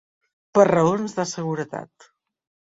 Per raons de seguretat.